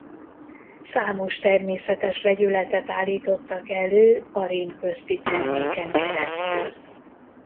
Számos természetes vegyületet állítottak elő arin köztiterméken keresztül.